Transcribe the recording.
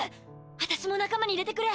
あたしも仲間に入れてくれ！